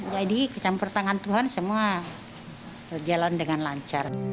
jadi campur tangan tuhan semua berjalan dengan lancar